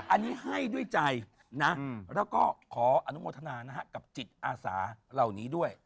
อันนี้ให้ด้วยใจนะแล้วก็ขออนุโมทนากับจิตอาสาเหล่านี้ด้วย